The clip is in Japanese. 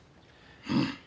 うん。